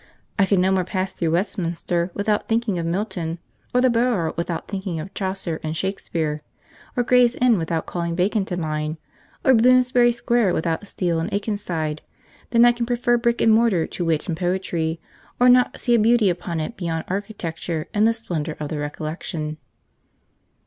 I can no more pass through Westminster without thinking of Milton, or the Borough without thinking of Chaucer and Shakespeare, or Gray's Inn without calling Bacon to mind, or Bloomsbury Square without Steele and Akenside, than I can prefer brick and mortar to wit and poetry, or not see a beauty upon it beyond architecture in the splendour of the recollection.'